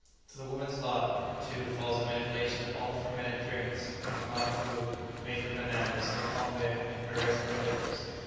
To the women's lot, too, falls the manipulation of all the fermented drinks, the malafoo, made from bananas, the pombé, and various other liquors.